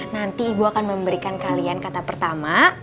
nanti ibu akan memberikan kalian kata pertama